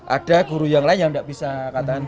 ada guru yang lain yang tidak bisa katakan